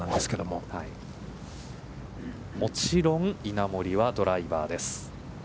もちろん、稲森はドライバーです。